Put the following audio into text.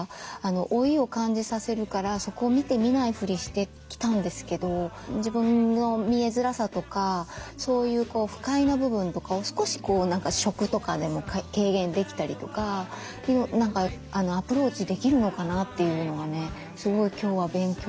老いを感じさせるからそこを見て見ない振りして来たんですけど自分の見えづらさとかそういう不快な部分とかを少し「食」とかでも軽減できたりとかアプローチできるのかなっていうのがねすごい今日は勉強になりました。